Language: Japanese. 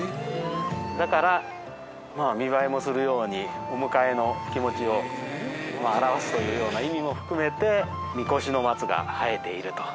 だから見栄えもするようにお迎えの気持ちを表すというような意味も含めて見越しの松が生えていると。